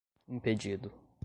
impedido